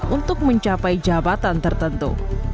untuk mencapai jabatan tertentu